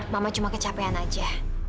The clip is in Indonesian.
mama cuma kecapean aja